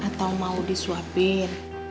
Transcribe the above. atau mau disuapin